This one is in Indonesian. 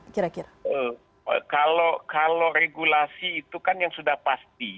kalau regulasi itu kan yang sudah pasti